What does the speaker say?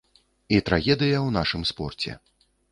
І трагедыя ў нашым спорце.